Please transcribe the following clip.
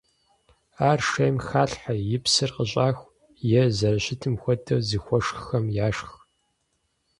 Ар шейм халъхьэ, и псыр къыщӏаху, е зэрыщытым хуэдэу зыхуэшххэм яшх.